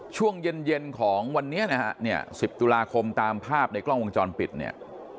ช่วงเย็นของวันนี้นะฮะเนี่ย๑๐ตุลาคมตามภาพในกล้องวงจรปิดเนี่ย